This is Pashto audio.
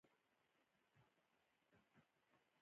دا د باور نښه ده.